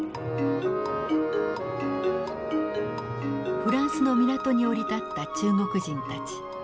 フランスの港に降り立った中国人たち。